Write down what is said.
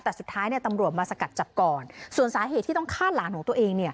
แต่สุดท้ายตำรวจมาสกัดจับก่อนส่วนสาเหตุที่ต้องฆ่าหลานของตัวเอง